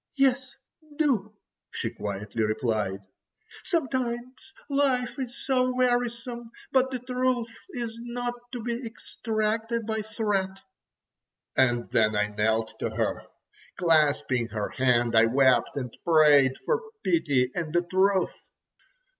"Yes, do!" she quietly replied; "sometimes life is so wearisome. But the truth is not to be extracted by threat." And then I knelt to her. Clasping her hand I wept, and prayed for pity and the truth.